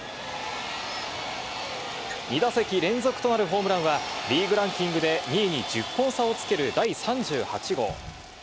２打席連続となるホームランはリーグランキングで２位に１０本差をつける第３８号。